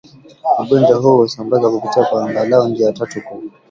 Ugonjwa huu husambazwa kupitia kwa angalau njia tatu kuu